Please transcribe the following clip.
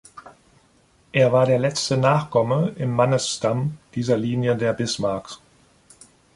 Er war der letzte Nachkomme im Mannesstamm dieser Linie der Bismarcks.